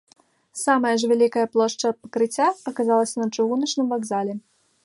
Самая ж вялікая плошча пакрыцця аказалася на чыгуначным вакзале.